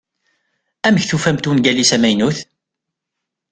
Amek tufamt ungal-is amaynut?